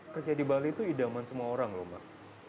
kerja di bali itu idaman semua orang loh